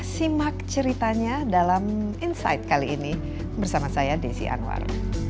simak ceritanya dalam insight kali ini bersama saya desi anwar